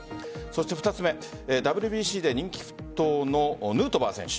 ２つ目、ＷＢＣで人気沸騰のヌートバー選手。